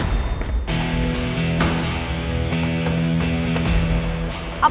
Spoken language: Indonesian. gue mau banget kamu